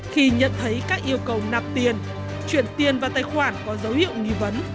khi nhận thấy các yêu cầu nạp tiền chuyển tiền vào tài khoản có dấu hiệu nghi vấn